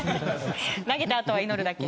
投げたあとは祈るだけ。